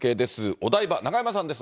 お台場、中山さんです。